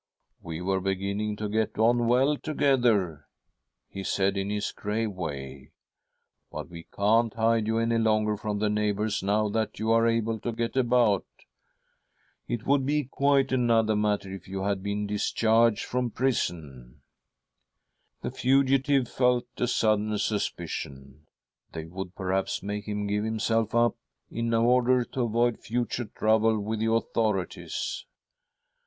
' We were beginning to get on well together,' he said, in his grave way, ' but we 1 . THE STRUGGLE OF A SOUL 159 can't hide you any longer from the neighbours, •now that you are able to get about. It would be quite another matter if you had been discharged from prison.' The fugitive felt a sudden suspicion —they would perhaps make him give himself up, in order to avoid future trouble with the authorities